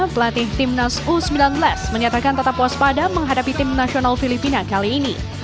pelatih timnas u sembilan belas menyatakan tetap puas pada menghadapi timnasional filipina kali ini